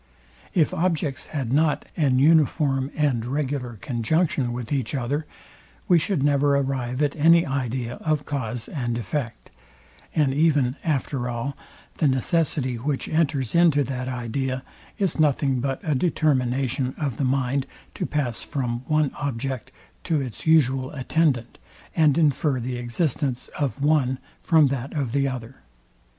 If objects had nor an uniform and regular conjunction with each other, we should never arrive at any idea of cause and effect; and even after all, the necessity, which enters into that idea, is nothing but a determination of the mind to pass from one object to its usual attendant, and infer the existence of one from that of the other.